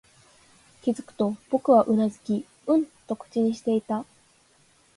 気づくと、僕はうなずき、うんと口にしていた